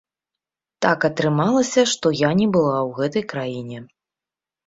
Так атрымалася, што я не была ў гэтай краіне.